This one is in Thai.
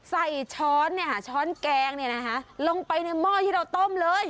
ใส่ช้อนเนี่ยช้อนแกงเนี่ยนะฮะลงไปในหม้อที่เราต้มเลย